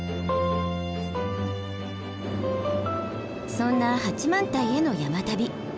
そんな八幡平への山旅。